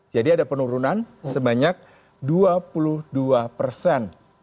jadi ada penurunan sebanyak dua puluh dua persen